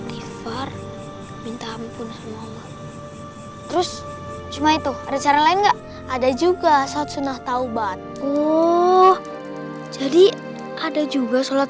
me hair terus cuma itu ada cara lain enggak ada juga sad sunnah taubat abu jadi ada juga sholat